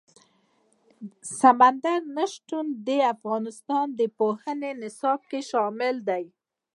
سمندر نه شتون د افغانستان د پوهنې نصاب کې شامل دي.